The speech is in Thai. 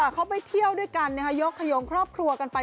เขาไปเที่ยวด้วยกันยกขยงครอบครัวกันไป